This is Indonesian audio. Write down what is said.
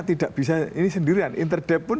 tidak bisa ini sendirian interdep pun